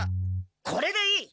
これでいい！